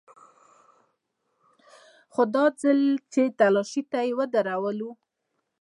خو دا ځل چې تلاشۍ ته يې ودرولو.